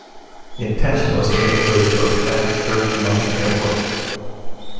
The intention was to make way for a planned third London airport.